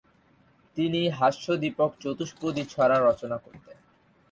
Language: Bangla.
তিনি হাস্যোদ্দীপক চতুষ্পদী ছড়া রচনা করতেন।